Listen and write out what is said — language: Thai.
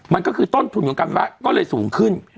มันก็คือต้นทุนของการไฟฟ้าก็เลยสูงขึ้น